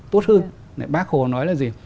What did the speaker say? tốt hơn bác hồ nói là gì